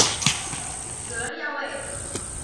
死人呀喂！